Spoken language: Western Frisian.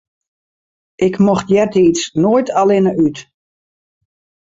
Ik mocht eartiids noait allinne út.